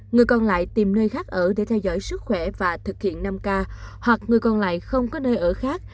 người còn lại tìm nơi khác ở để theo dõi sức khỏe và thực hiện năm k hoặc người còn lại không có nơi ở khác